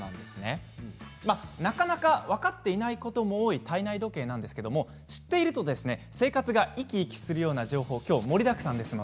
なかなか分かっていないことも多い体内時計ですが知っていると生活が生き生きするような情報が盛りだくさんです。